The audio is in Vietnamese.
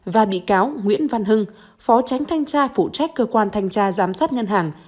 và bị cáo nguyễn văn hưng phó tránh thanh tra phụ trách cơ quan thanh tra giám sát ngân hàng